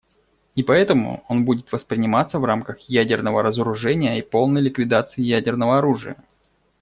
И поэтому он будет восприниматься в рамках ядерного разоружения и полной ликвидации ядерного оружия.